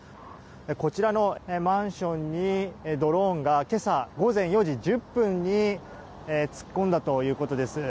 こちらのマンションにドローンが今朝午前４時１０分に突っ込んだということです。